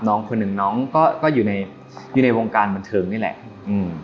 น้องคนหนึ่งน้องก็ก็อยู่ในอยู่ในวงการบันเทิงนี่แหละอืม